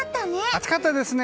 暑かったですね。